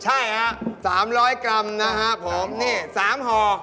ใช่ครับ๓๐๐กรัมนะครับผมนี้๓หอ